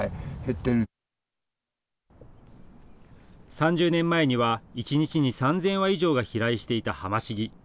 ３０年前には一日に３０００羽以上が飛来していたハマシギ。